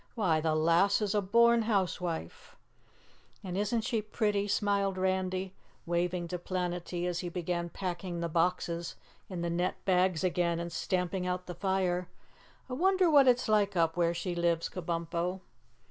Why, the lass is a born housewife!" "And isn't she pretty?" smiled Randy, waving to Planetty as he began packing the boxes in the net bags again and stamping out the fire. "I wonder what it's like up where she lives, Kabumpo?"